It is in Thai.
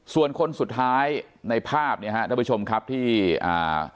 ส่วนคนสุดท้ายในภาพเนี่ยฮะท่านผู้ชมครับที่อ่า